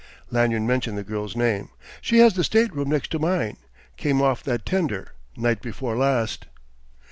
Lanyard mentioned the girl's name. "She has the stateroom next to mine came off that tender, night before last."